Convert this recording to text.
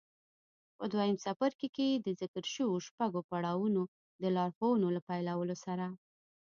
په دويم څپرکي کې د ذکر شويو شپږو پړاوونو د لارښوونو له پيلولو سره.